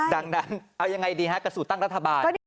ดังนั้นเอายังไงดีฮะกับสูตรตั้งรัฐบาล